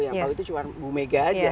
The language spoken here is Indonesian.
yang tahu itu cuma bu mega aja